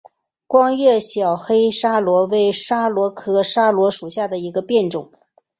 光叶小黑桫椤为桫椤科桫椤属下的一个变种。